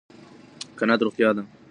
قناعت روغتيا ده